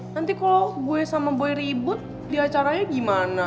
nanti kalau gue sama boy ribut di acaranya gimana